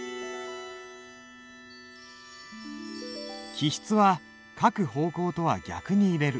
起筆は書く方向とは逆に入れる。